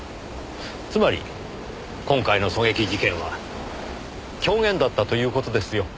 つまり今回の狙撃事件は狂言だったという事ですよ。